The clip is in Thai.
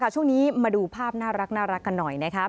ช่วงนี้มาดูภาพน่ารักกันหน่อยนะครับ